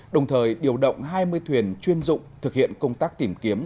đồng thời điều động hai mươi thuyền chuyên dụng thực hiện công tác tìm kiếm